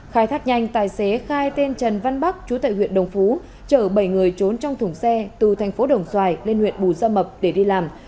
khai thác nhanh tài xế khai tên trần văn bắc chú tại huyện đồng phú chở bảy người trốn trong thùng xe từ thành phố đồng xoài lên huyện bù gia mập để đi làm